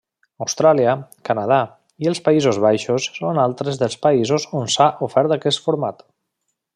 Austràlia, Canadà i els Països Baixos són altres dels països on s'ha ofert aquest format.